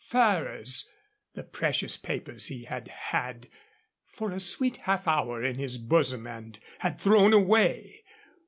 Ferrers! The precious papers he had had for a sweet half hour in his bosom and had thrown away!